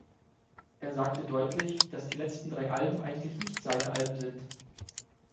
Er sagte deutlich, dass die letzten drei Alben eigentlich nicht seine Alben sind.